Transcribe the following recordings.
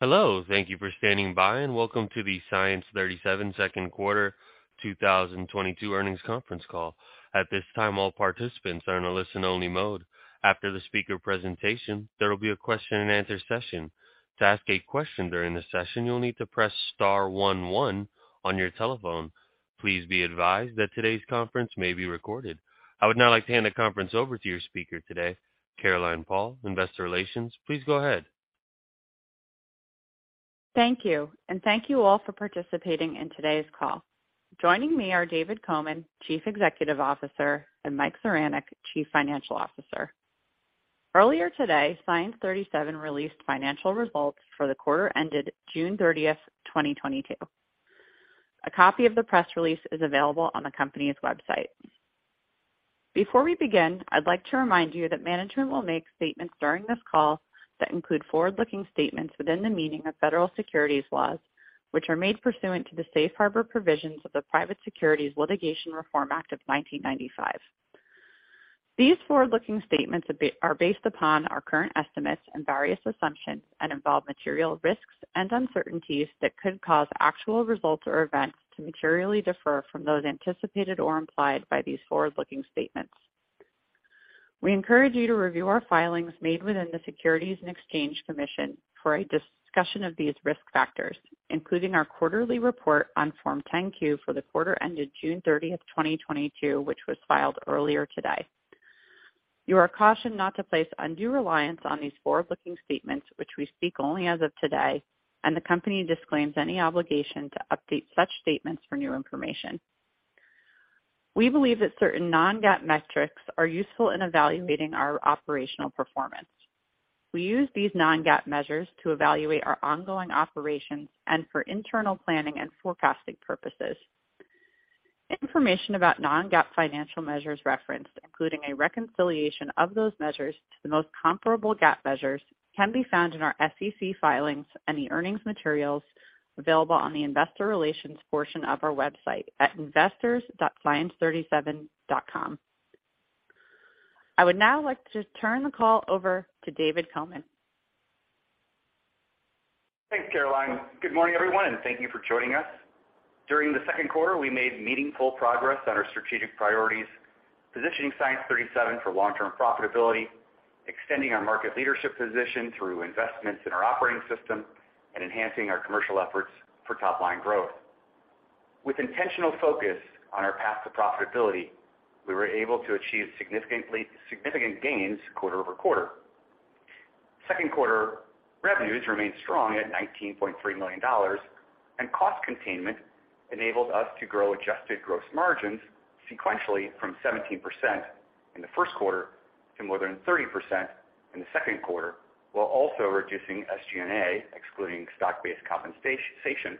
Hello, thank you for standing by, and welcome to the Science 37 second quarter 2022 earnings conference call. At this time, all participants are in a listen-only mode. After the speaker presentation, there will be a question-and-answer session. To ask a question during the session, you'll need to press star one one on your telephone. Please be advised that today's conference may be recorded. I would now like to hand the conference over to your speaker today, Caroline Paul, Investor Relations. Please go ahead. Thank you, and thank you all for participating in today's call. Joining me are David Coman, Chief Executive Officer, and Mike Zaranek, Chief Financial Officer. Earlier today, Science 37 released financial results for the quarter ended June 30, 2022. A copy of the press release is available on the company's website. Before we begin, I'd like to remind you that management will make statements during this call that include forward-looking statements within the meaning of federal securities laws, which are made pursuant to the Safe Harbor provisions of the Private Securities Litigation Reform Act of 1995. These forward-looking statements are based upon our current estimates and various assumptions and involve material risks and uncertainties that could cause actual results or events to materially differ from those anticipated or implied by these forward-looking statements. We encourage you to review our filings made with the Securities and Exchange Commission for a discussion of these risk factors, including our quarterly report on Form 10-Q for the quarter ended June 30, 2022, which was filed earlier today. You are cautioned not to place undue reliance on these forward-looking statements, which we speak only as of today, and the company disclaims any obligation to update such statements for new information. We believe that certain non-GAAP metrics are useful in evaluating our operational performance. We use these non-GAAP measures to evaluate our ongoing operations and for internal planning and forecasting purposes. Information about non-GAAP financial measures referenced, including a reconciliation of those measures to the most comparable GAAP measures, can be found in our SEC filings and the earnings materials available on the investor relations portion of our website at investors.science37.com. I would now like to turn the call over to David Coman. Thanks, Caroline. Good morning, everyone, and thank you for joining us. During the second quarter, we made meaningful progress on our strategic priorities, positioning Science 37 for long-term profitability, extending our market leadership position through investments in our operating system, and enhancing our commercial efforts for top line growth. With intentional focus on our path to profitability, we were able to achieve significant gains quarter-over-quarter. Second quarter revenues remained strong at $19.3 million, and cost containment enabled us to grow adjusted gross margins sequentially from 17% in the first quarter to more than 30% in the second quarter, while also reducing SG&A, excluding stock-based compensation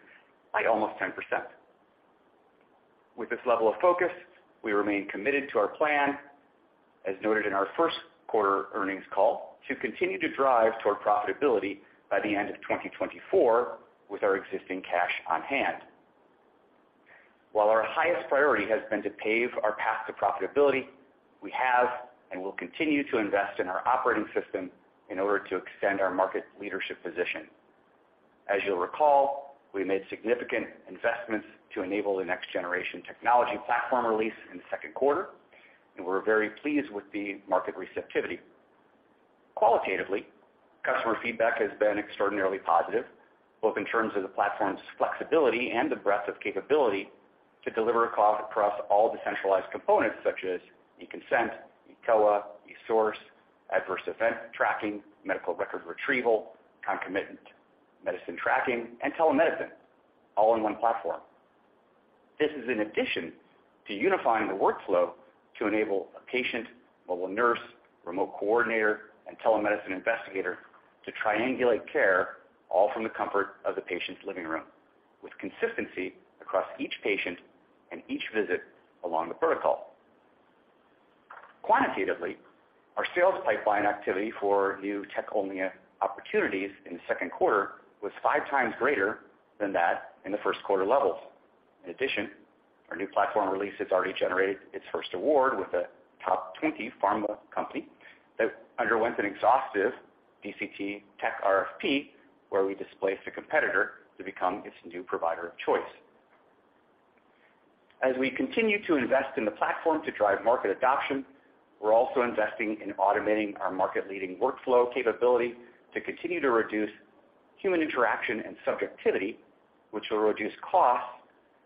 by almost 10%. With this level of focus, we remain committed to our plan, as noted in our first quarter earnings call, to continue to drive toward profitability by the end of 2024 with our existing cash on hand. While our highest priority has been to pave our path to profitability, we have and will continue to invest in our operating system in order to extend our market leadership position. As you'll recall, we made significant investments to enable the next-generation technology platform release in the second quarter, and we're very pleased with the market receptivity. Qualitatively, customer feedback has been extraordinarily positive, both in terms of the platform's flexibility and the breadth of capability to deliver across all decentralized components such as eConsent, eCOA, eSource, adverse event tracking, medical record retrieval, concomitant medicine tracking, and telemedicine all in one platform. This is in addition to unifying the workflow to enable a patient, mobile nurse, remote coordinator, and telemedicine investigator to triangulate care all from the comfort of the patient's living room with consistency across each patient and each visit along the protocol. Quantitatively, our sales pipeline activity for new tech-only opportunities in the second quarter was five times greater than that in the first quarter levels. In addition, our new platform release has already generated its first award with a top twenty pharma company that underwent an exhaustive DCT tech RFP, where we displaced a competitor to become its new provider of choice. As we continue to invest in the platform to drive market adoption, we're also investing in automating our market-leading workflow capability to continue to reduce human interaction and subjectivity, which will reduce costs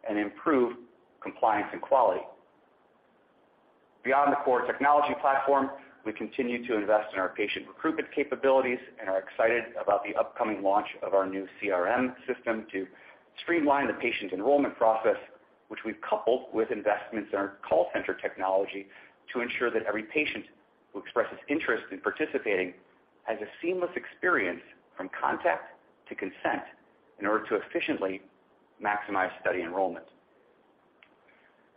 and improve compliance and quality. Beyond the core technology platform, we continue to invest in our patient recruitment capabilities and are excited about the upcoming launch of our new CRM system to streamline the patient enrollment process, which we've coupled with investments in our call center technology to ensure that every patient who expresses interest in participating has a seamless experience from contact to consent in order to efficiently maximize study enrollment.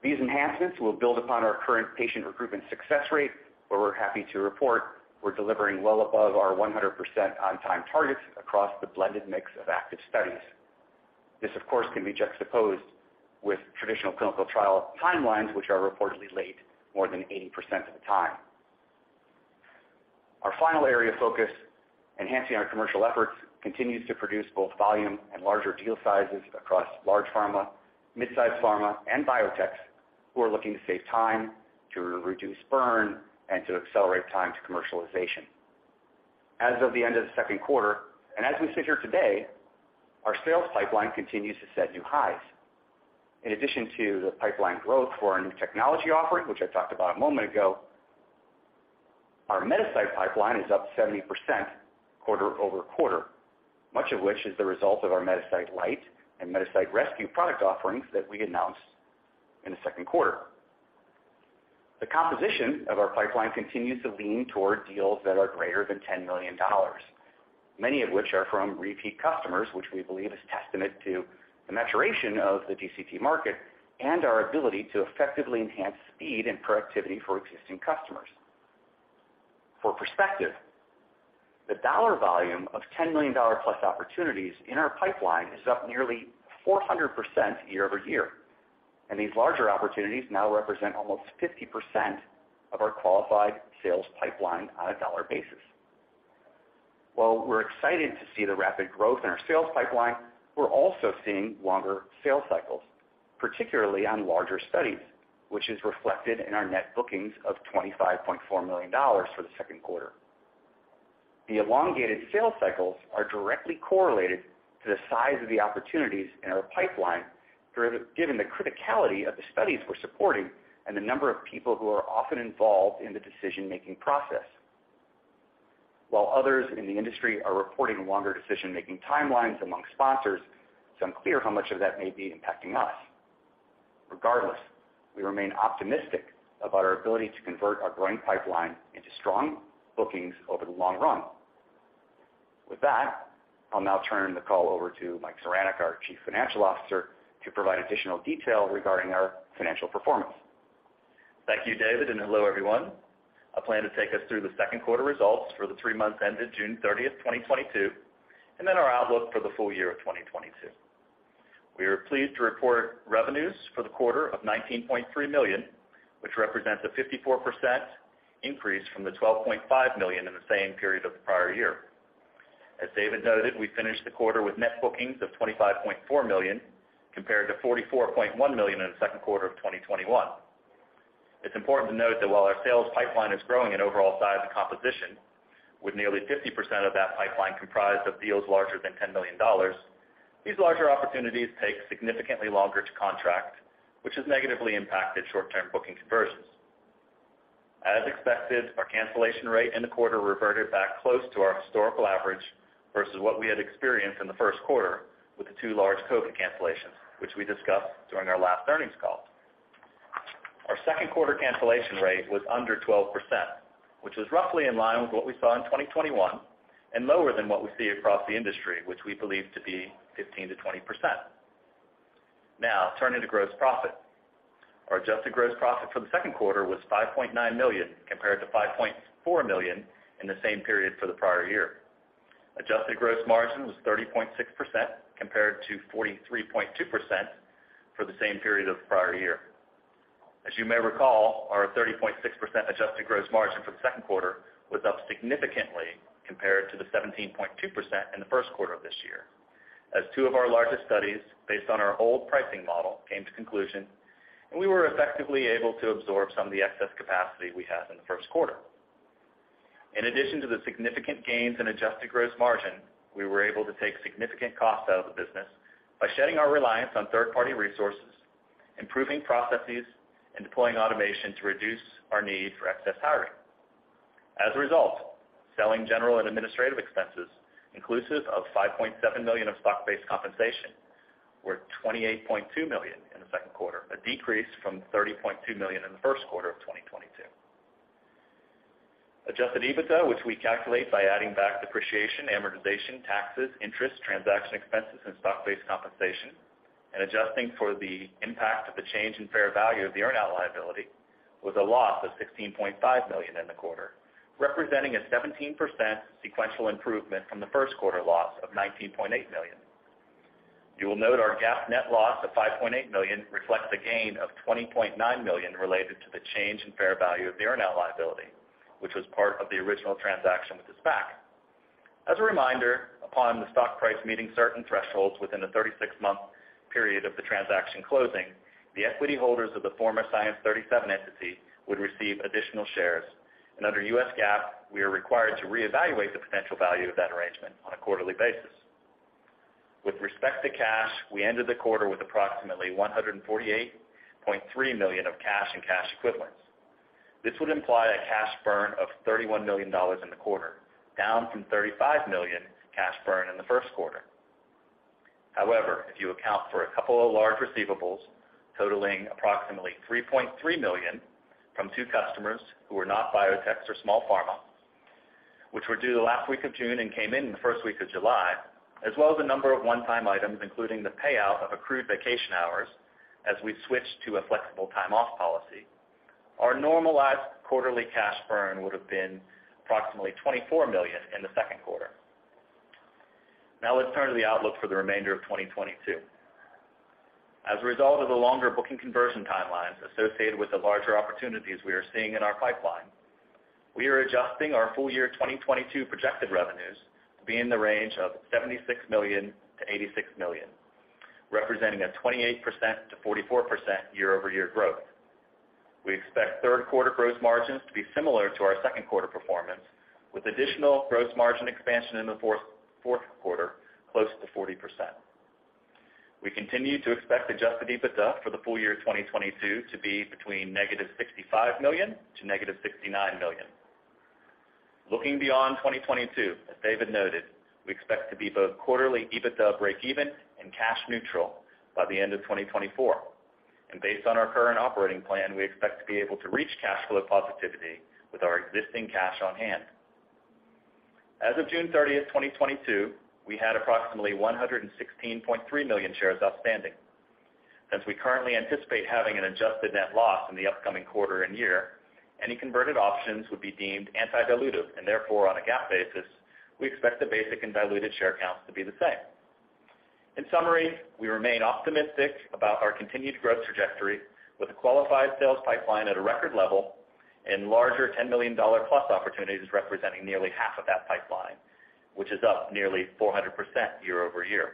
These enhancements will build upon our current patient recruitment success rate, where we're happy to report we're delivering well above our 100% on-time targets across the blended mix of active studies. This, of course, can be juxtaposed with traditional clinical trial timelines, which are reportedly late more than 80% of the time. Our final area of focus, enhancing our commercial efforts, continues to produce both volume and larger deal sizes across large pharma, mid-size pharma, and biotechs who are looking to save time, to reduce burn, and to accelerate time to commercialization. As of the end of the second quarter, and as we sit here today, our sales pipeline continues to set new highs. In addition to the pipeline growth for our new technology offering, which I talked about a moment ago, our Metasite pipeline is up 70% quarter-over-quarter, much of which is the result of our Metasite Lite and Metasite Rescue product offerings that we announced in the second quarter. The composition of our pipeline continues to lean toward deals that are greater than $10 million, many of which are from repeat customers, which we believe is a testament to the maturation of the DCT market and our ability to effectively enhance speed and productivity for existing customers. For perspective, the dollar volume of $10 million plus opportunities in our pipeline is up nearly 400% year-over-year, and these larger opportunities now represent almost 50% of our qualified sales pipeline on a dollar basis. While we're excited to see the rapid growth in our sales pipeline, we're also seeing longer sales cycles, particularly on larger studies, which is reflected in our net bookings of $25.4 million for the second quarter. The elongated sales cycles are directly correlated to the size of the opportunities in our pipeline, given the criticality of the studies we're supporting and the number of people who are often involved in the decision-making process. While others in the industry are reporting longer decision-making timelines among sponsors, it's unclear how much of that may be impacting us. Regardless, we remain optimistic about our ability to convert our growing pipeline into strong bookings over the long run. With that, I'll now turn the call over to Mike Zaranek, our Chief Financial Officer, to provide additional detail regarding our financial performance. Thank you, David, and hello, everyone. I plan to take us through the second quarter results for the three months ended June 30, 2022, and then our outlook for the full year of 2022. We are pleased to report revenues for the quarter of $19.3 million, which represents a 54% increase from the $12.5 million in the same period of the prior year. As David noted, we finished the quarter with net bookings of $25.4 million compared to $44.1 million in the second quarter of 2021. It's important to note that while our sales pipeline is growing in overall size and composition, with nearly 50% of that pipeline comprised of deals larger than $10 million, these larger opportunities take significantly longer to contract, which has negatively impacted short-term booking conversions. As expected, our cancellation rate in the quarter reverted back close to our historical average versus what we had experienced in the first quarter with the two large COVID cancellations, which we discussed during our last earnings call. Our second quarter cancellation rate was under 12%, which was roughly in line with what we saw in 2021 and lower than what we see across the industry, which we believe to be 15%-20%. Now turning to gross profit. Our adjusted gross profit for the second quarter was $5.9 million compared to $5.4 million in the same period for the prior year. Adjusted gross margin was 30.6% compared to 43.2% for the same period of the prior year. As you may recall, our 30.6% adjusted gross margin for the second quarter was up significantly compared to the 17.2% in the first quarter of this year, as two of our largest studies based on our old pricing model came to conclusion, and we were effectively able to absorb some of the excess capacity we had in the first quarter. In addition to the significant gains in adjusted gross margin, we were able to take significant costs out of the business by shedding our reliance on third-party resources, improving processes, and deploying automation to reduce our need for excess hiring. As a result, selling, general and administrative expenses, inclusive of $5.7 million of stock-based compensation, were $28.2 million in the second quarter, a decrease from $30.2 million in the first quarter of 2022. Adjusted EBITDA, which we calculate by adding back depreciation, amortization, taxes, interest, transaction expenses, and stock-based compensation, and adjusting for the impact of the change in fair value of the earnout liability, was a loss of $16.5 million in the quarter, representing a 17% sequential improvement from the first quarter loss of $19.8 million. You will note our GAAP net loss of $5.8 million reflects a gain of $20.9 million related to the change in fair value of the earnout liability, which was part of the original transaction with the SPAC. As a reminder, upon the stock price meeting certain thresholds within the 36-month period of the transaction closing, the equity holders of the former Science 37 entity would receive additional shares. Under U.S. GAAP, we are required to reevaluate the potential value of that arrangement on a quarterly basis. With respect to cash, we ended the quarter with approximately $148.3 million in cash and cash equivalents. This would imply a cash burn of $31 million in the quarter, down from $35 million cash burn in the first quarter. However, if you account for a couple of large receivables totaling approximately $3.3 million from two customers who are not biotechs or small pharma, which were due the last week of June and came in in the first week of July, as well as a number of one-time items, including the payout of accrued vacation hours as we switched to a flexible time off policy, our normalized quarterly cash burn would have been approximately $24 million in the second quarter. Now let's turn to the outlook for the remainder of 2022. As a result of the longer booking conversion timelines associated with the larger opportunities we are seeing in our pipeline, we are adjusting our full year 2022 projected revenues to be in the range of $76 million-$86 million, representing a 28%-44% year-over-year growth. We expect third quarter gross margins to be similar to our second quarter performance, with additional gross margin expansion in the fourth quarter, close to 40%. We continue to expect adjusted EBITDA for the full year 2022 to be between -$65 million - -$69 million. Looking beyond 2022, as David noted, we expect to be both quarterly EBITDA breakeven and cash neutral by the end of 2024. Based on our current operating plan, we expect to be able to reach cash flow positivity with our existing cash on hand. As of June 30, 2022, we had approximately 116.3 million shares outstanding. Since we currently anticipate having an adjusted net loss in the upcoming quarter and year, any converted options would be deemed anti-dilutive and therefore, on a GAAP basis, we expect the basic and diluted share counts to be the same. In summary, we remain optimistic about our continued growth trajectory with a qualified sales pipeline at a record level and larger $10 million-plus opportunities representing nearly half of that pipeline, which is up nearly 400% year-over-year.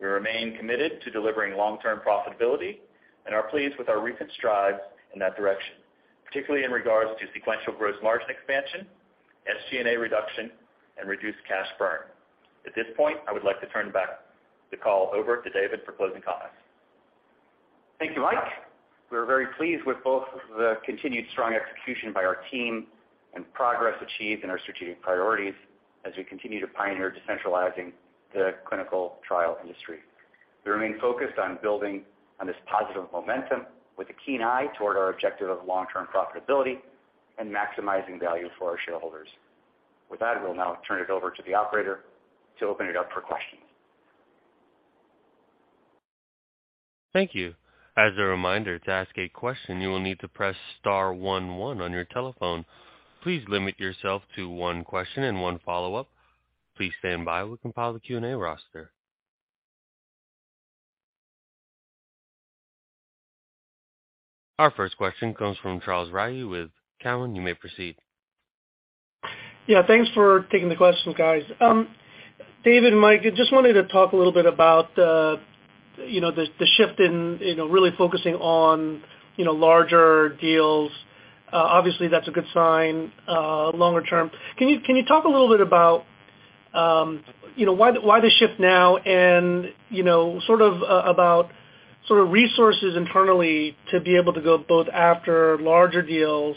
We remain committed to delivering long-term profitability and are pleased with our recent strides in that direction, particularly in regards to sequential gross margin expansion, SG&A reduction and reduced cash burn. At this point, I would like to turn the call back over to David for closing comments. Thank you, Mike. We are very pleased with both the continued strong execution by our team and progress achieved in our strategic priorities as we continue to pioneer decentralizing the clinical trial industry. We remain focused on building on this positive momentum with a keen eye toward our objective of long-term profitability and maximizing value for our shareholders. With that, we'll now turn it over to the operator to open it up for questions. Thank you. As a reminder, to ask a question, you will need to press star one one on your telephone. Please limit yourself to one question and one follow-up. Please stand by. We'll compile the Q&A roster. Our first question comes from Charles Rhyee with Cowen. You may proceed. Yeah, thanks for taking the question, guys. David and Mike, I just wanted to talk a little bit about, you know, the shift in, you know, really focusing on, you know, larger deals. Obviously that's a good sign, longer term. Can you talk a little bit about, you know, why the shift now and, you know, sort of about sort of resources internally to be able to go both after larger deals,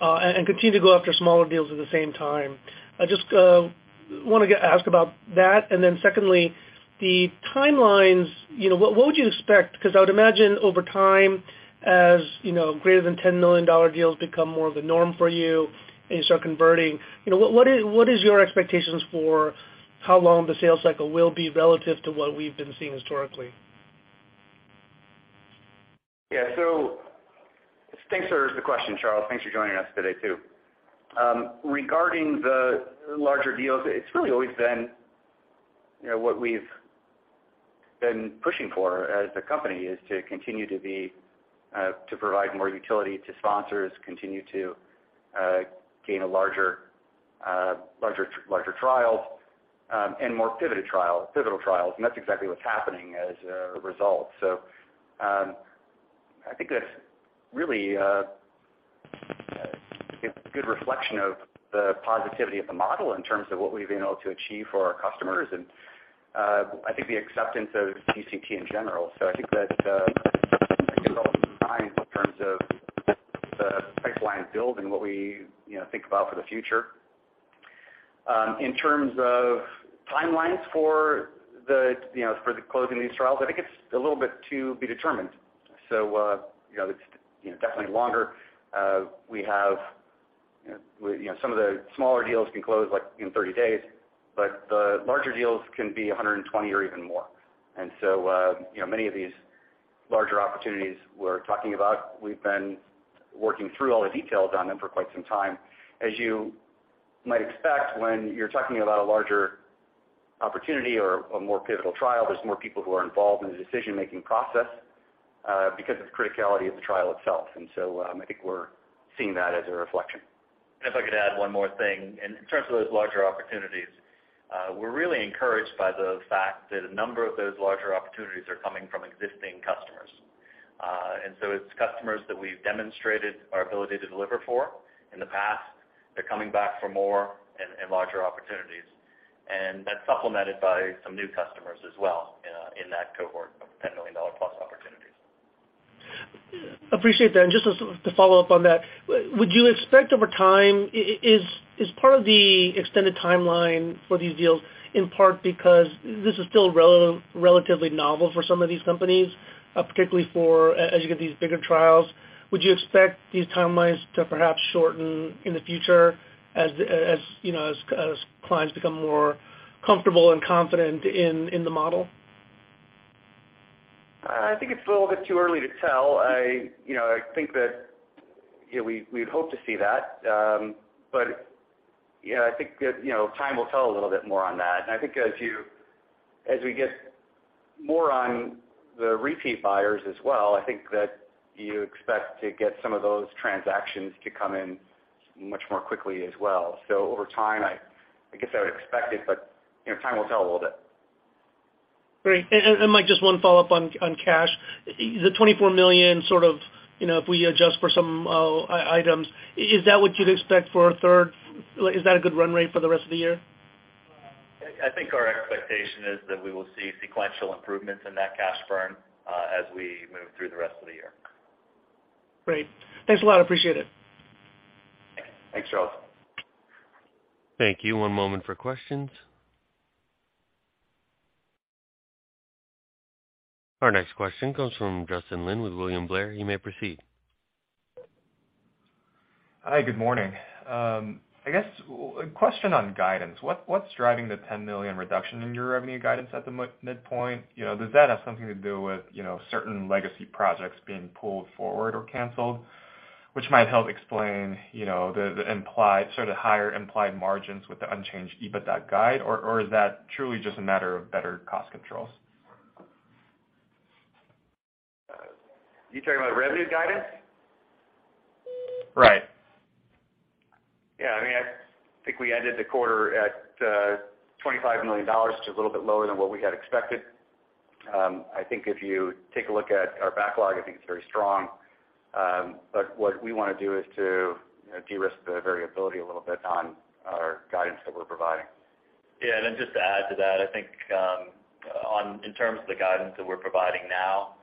and continue to go after smaller deals at the same time? I just wanna ask about that. Secondly, the timelines, you know, what would you expect? Because I would imagine over time, as, you know, greater than $10 million deals become more of the norm for you and you start converting, you know, what is your expectations for how long the sales cycle will be relative to what we've been seeing historically? Yeah. Thanks for the question, Charles. Thanks for joining us today too. Regarding the larger deals, it's really always been, you know, what we've been pushing for as a company is to continue to be, to provide more utility to sponsors, continue to gain a larger trial, and more pivotal trials, and that's exactly what's happening as a result. I think that's really a good reflection of the positivity of the model in terms of what we've been able to achieve for our customers and I think the acceptance of DCT in general. I think that's in terms of the pipeline build and what we, you know, think about for the future. In terms of timelines for the, you know, for the closing these trials, I think it's a little bit to be determined. You know, it's, you know, definitely longer. We have, you know, some of the smaller deals can close like in 30 days, but the larger deals can be 120 or even more. You know, many of these larger opportunities we're talking about, we've been working through all the details on them for quite some time. As you might expect, when you're talking about a larger opportunity or a more pivotal trial, there's more people who are involved in the decision-making process, because of the criticality of the trial itself. I think we're seeing that as a reflection. If I could add one more thing. In terms of those larger opportunities, we're really encouraged by the fact that a number of those larger opportunities are coming from existing customers. It's customers that we've demonstrated our ability to deliver for in the past. They're coming back for more and larger opportunities, and that's supplemented by some new customers as well, in that cohort of $10 million-plus opportunities. Appreciate that. Just as, to follow up on that, would you expect over time, is part of the extended timeline for these deals in part because this is still relatively novel for some of these companies, particularly for as you get these bigger trials, would you expect these timelines to perhaps shorten in the future as you know, as clients become more comfortable and confident in the model? I think it's a little bit too early to tell. I, you know, I think that, you know, we'd hope to see that. You know, I think that, you know, time will tell a little bit more on that. I think as we get more on the repeat buyers as well, I think that you expect to get some of those transactions to come in much more quickly as well. Over time, I guess I would expect it, but, you know, time will tell a little bit. Great. Mike, just one follow-up on cash. Is the $24 million sort of, you know, if we adjust for some items, is that what you'd expect for a third? Is that a good run rate for the rest of the year? I think our expectation is that we will see sequential improvements in that cash burn, as we move through the rest of the year. Great. Thanks a lot. Appreciate it. Thanks, Charles. Thank you. One moment for questions. Our next question comes from Justin Lin with William Blair. You may proceed. Hi, good morning. I guess a question on guidance. What's driving the $10 million reduction in your revenue guidance at the midpoint? You know, does that have something to do with, you know, certain legacy projects being pulled forward or canceled, which might help explain, you know, the implied, sort of higher implied margins with the unchanged EBITDA guide, or is that truly just a matter of better cost controls? You talking about revenue guidance? Right. I mean, I think we ended the quarter at $25 million, which is a little bit lower than what we had expected. I think if you take a look at our backlog, I think it's very strong. What we wanna do is to, you know, de-risk the variability a little bit on our guidance that we're providing. Just to add to that, I think, in terms of the guidance that we're providing now,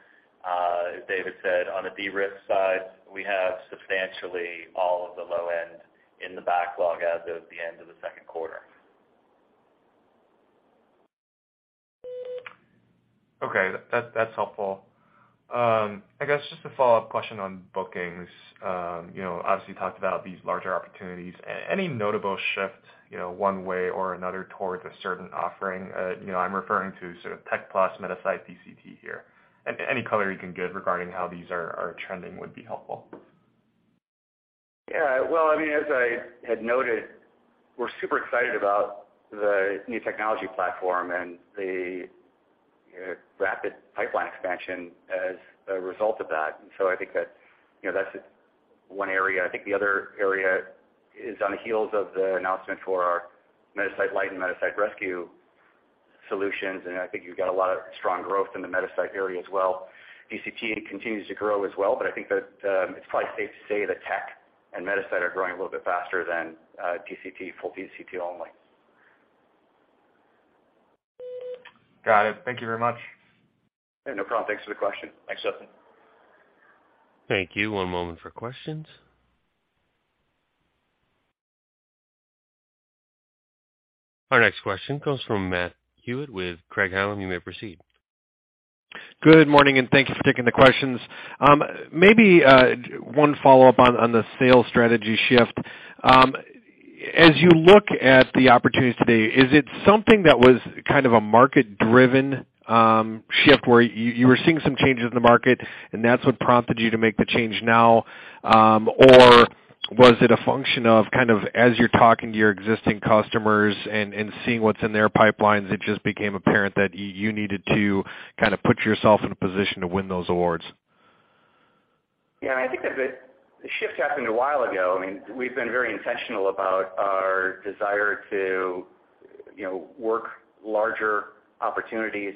as David said, on the de-risk side, we have substantially all of the low end in the backlog as of the end of the second quarter. Okay. That's helpful. I guess just a follow-up question on bookings. You know, obviously you talked about these larger opportunities. Any notable shift, you know, one way or another towards a certain offering? You know, I'm referring to sort of tech plus Metasite DCT here. Any color you can give regarding how these are trending would be helpful. Yeah. Well, I mean, as I had noted, we're super excited about the new technology platform and the rapid pipeline expansion as a result of that. I think that, you know, that's one area. I think the other area is on the heels of the announcement for our Metasite Lite and Metasite Rescue solutions, and I think you've got a lot of strong growth in the Metasite area as well. DCT continues to grow as well, but I think that, it's probably safe to say that tech and Metasite are growing a little bit faster than DCT, full DCT only. Got it. Thank you very much. Yeah, no problem. Thanks for the question. Thanks, Justin. Thank you. One moment for questions. Our next question comes from Matt Hewitt with Craig-Hallum. You may proceed. Good morning, and thank you for taking the questions. Maybe one follow-up on the sales strategy shift. As you look at the opportunities today, is it something that was kind of a market-driven shift, where you were seeing some changes in the market and that's what prompted you to make the change now? Or was it a function of kind of as you're talking to your existing customers and seeing what's in their pipelines, it just became apparent that you needed to kind of put yourself in a position to win those awards? Yeah, I think that the shift happened a while ago. I mean, we've been very intentional about our desire to, you know, work larger opportunities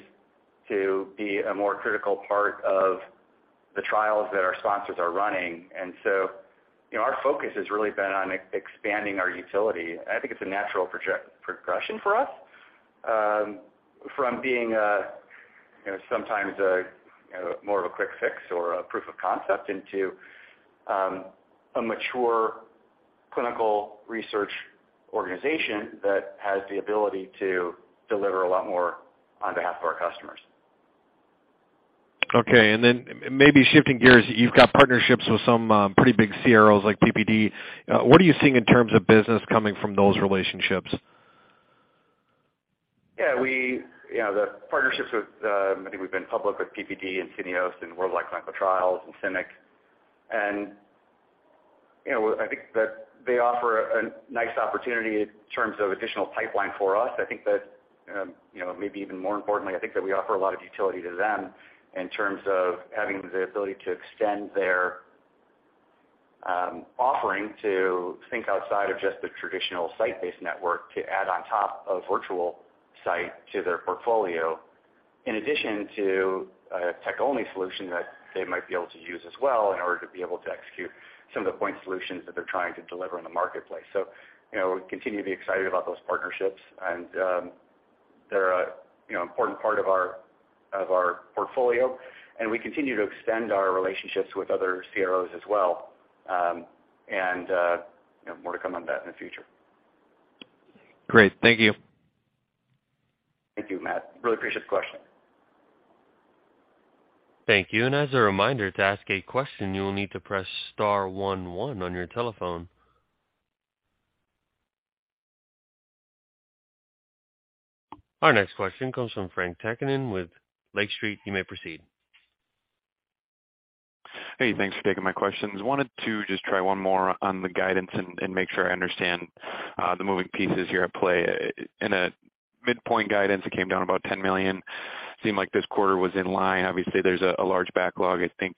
to be a more critical part of the trials that our sponsors are running. You know, our focus has really been on expanding our utility. I think it's a natural progression for us from being a, you know, sometimes a, you know, more of a quick fix or a proof of concept into a mature clinical research organization that has the ability to deliver a lot more on behalf of our customers. Okay. Maybe shifting gears, you've got partnerships with some pretty big CROs like PPD. What are you seeing in terms of business coming from those relationships? Yeah, you know, the partnerships with, I think we've been public with PPD, Syneos, and Worldwide Clinical Trials and CIMIC. You know, I think that they offer a nice opportunity in terms of additional pipeline for us. I think that, you know, maybe even more importantly, I think that we offer a lot of utility to them in terms of having the ability to extend their offering to think outside of just the traditional site-based network to add on top a virtual site to their portfolio, in addition to a tech-only solution that they might be able to use as well in order to be able to execute some of the point solutions that they're trying to deliver in the marketplace. You know, we continue to be excited about those partnerships and, they're a, you know, important part of our portfolio, and we continue to extend our relationships with other CROs as well, and, you know, more to come on that in the future. Great. Thank you. Thank you, Matt. Really appreciate the question. Thank you. As a reminder, to ask a question, you will need to press star one one on your telephone. Our next question comes from Frank Takkinen with Lake Street. You may proceed. Hey, thanks for taking my questions. Wanted to just try one more on the guidance and make sure I understand the moving pieces here at play. In a midpoint guidance, it came down about $10 million. Seemed like this quarter was in line. Obviously, there's a large backlog, I think,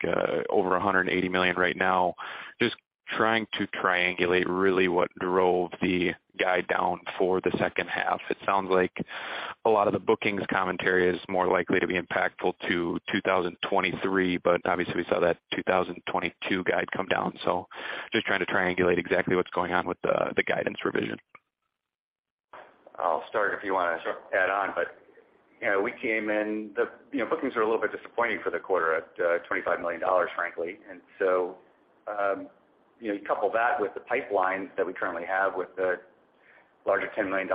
over $180 million right now. Just trying to triangulate really what drove the guide down for the second half. It sounds like a lot of the bookings commentary is more likely to be impactful to 2023, but obviously we saw that 2022 guide come down. Just trying to triangulate exactly what's going on with the guidance revision. I'll start if you wanna. Sure. You know, bookings are a little bit disappointing for the quarter at $25 million, frankly. You know, you couple that with the pipelines that we currently have with the larger $10 million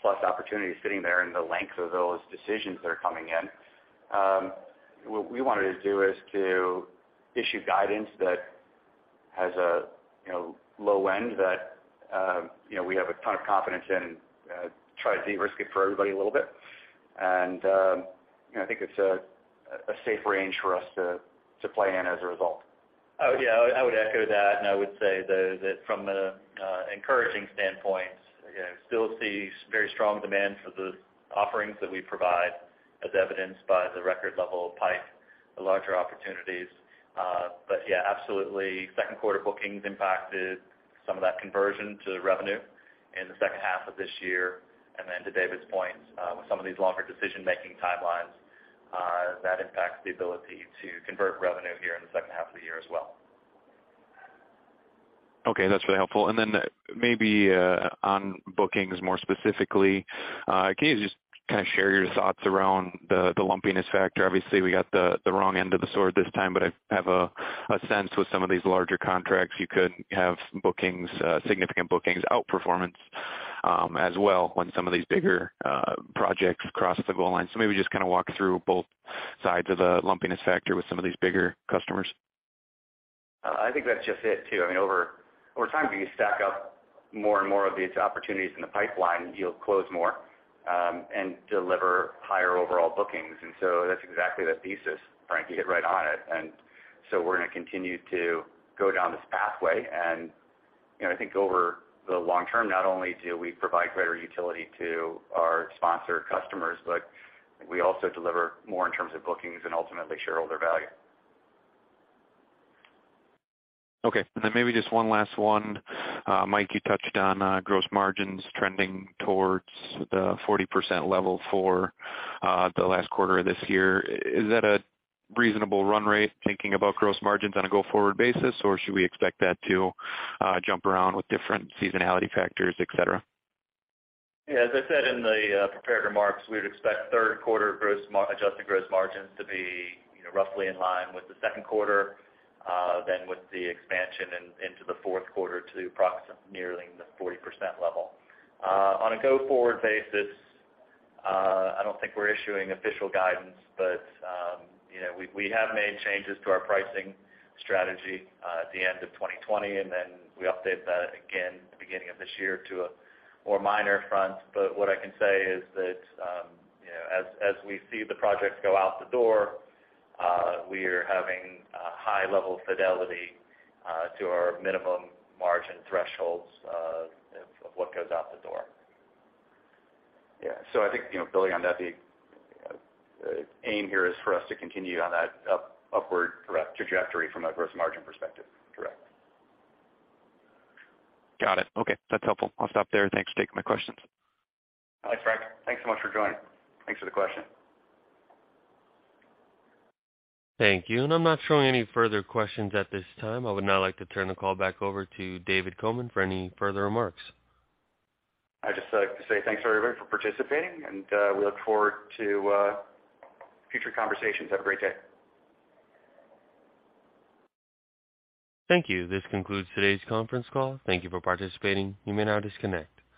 plus opportunities sitting there and the length of those decisions that are coming in. What we wanted to do is to issue guidance that has a low end that you know we have a ton of confidence in and try to de-risk it for everybody a little bit. You know, I think it's a safe range for us to play in as a result. Oh, yeah, I would echo that and I would say though that from an encouraging standpoint, you know, still see very strong demand for the offerings that we provide, as evidenced by the record level of pipe, the larger opportunities. Yeah, absolutely. Second quarter bookings impacted some of that conversion to revenue in the second half of this year. To David's point, with some of these longer decision-making timelines, that impacts the ability to convert revenue here in the second half of the year as well. Okay, that's really helpful. Maybe on bookings more specifically, can you just kinda share your thoughts around the lumpiness factor? Obviously, we got the wrong end of the sword this time, but I have a sense with some of these larger contracts you could have bookings, significant bookings outperformance, as well when some of these bigger projects cross the goal line. Maybe just kinda walk through both sides of the lumpiness factor with some of these bigger customers. I think that's just it too. I mean, over time, as you stack up more and more of these opportunities in the pipeline, you'll close more, and deliver higher overall bookings. That's exactly the thesis, Frank. You hit right on it. We're gonna continue to go down this pathway and, you know, I think over the long term, not only do we provide greater utility to our sponsor customers, but we also deliver more in terms of bookings and ultimately shareholder value. Okay. Maybe just one last one. Mike, you touched on gross margins trending towards the 40% level for the last quarter of this year. Is that a reasonable run rate, thinking about gross margins on a go-forward basis, or should we expect that to jump around with different seasonality factors, et cetera? Yeah, as I said in the prepared remarks, we would expect third quarter adjusted gross margins to be, you know, roughly in line with the second quarter, then with the expansion into the fourth quarter nearing the 40% level. On a go-forward basis, I don't think we're issuing official guidance, but, you know, we have made changes to our pricing strategy, at the end of 2020, and then we updated that again at the beginning of this year to a more minor extent. What I can say is that, you know, as we see the projects go out the door, we are having a high level of fidelity to our minimum margin thresholds, of what goes out the door. I think, you know, building on that, the aim here is for us to continue on that upward trajectory from a gross margin perspective. Correct. Got it. Okay, that's helpful. I'll stop there. Thanks for taking my questions. Thanks, Frank. Thanks so much for joining. Thanks for the question. Thank you. I'm not showing any further questions at this time. I would now like to turn the call back over to David Coman for any further remarks. I'd just like to say thanks to everybody for participating, and we look forward to future conversations. Have a great day. Thank you. This concludes today's conference call. Thank you for participating. You may now disconnect.